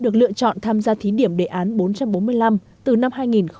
chọn tham gia thí điểm đề án bốn trăm bốn mươi năm từ năm hai nghìn một mươi sáu